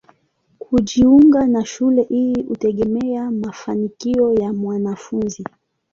Kujiunga na shule hii hutegemea mafanikio ya mwanafunzi.